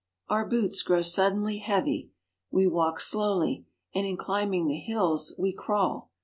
Our boots grow suddenly heavy. We walk slowly, and in climbing the hills we crawl.